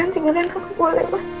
jangan tinggalin aku boleh mas